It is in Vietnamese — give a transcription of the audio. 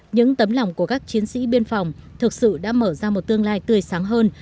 những tấm lòng của các chiến sĩ biên phòng thực sự đã mở ra một tương lai tươi sáng hơn